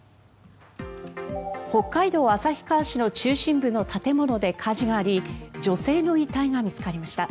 北海道旭川市の中心部の建物で火事があり女性の遺体が見つかりました。